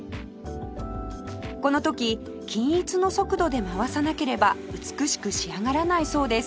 この時均一の速度で回さなければ美しく仕上がらないそうです